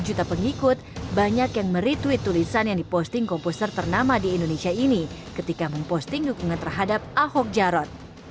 dua puluh juta pengikut banyak yang meretweet tulisan yang diposting komposer ternama di indonesia ini ketika memposting dukungan terhadap ahok jarot